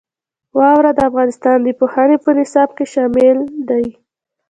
واوره د افغانستان د پوهنې په نصاب کې شامل دي.